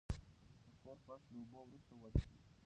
د کور فرش له اوبو وروسته وچ کړئ.